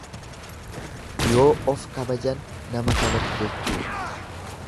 Yoo of kabajan nama kabaju jechuudha.